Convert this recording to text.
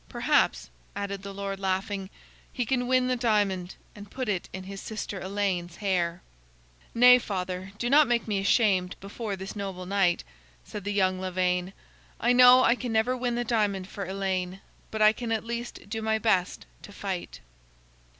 Perhaps," added the lord, laughing, "he can win the diamond, and put it in his sister Elaine's hair." "Nay, father, do not make me ashamed before this noble knight," said the young Lavaine. "I know I can never win the diamond for Elaine, but I can at least do my best to fight."